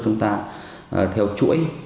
chúng ta theo chuỗi